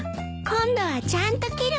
今度はちゃんと切るわ。